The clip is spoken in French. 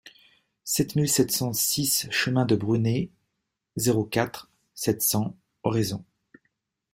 sept mille sept cent six chemin de Brunet, zéro quatre, sept cents, Oraison